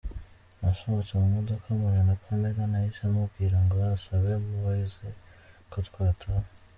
Nasohotse mu modoka mpura na Pamela, nahise mubwira ngo asabe Mowzey ko twataha.